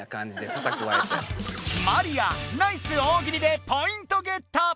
マリアナイス大喜利でポイントゲット！